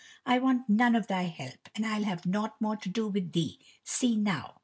I want none of thy help, and I'll have nought more to do with thee see now."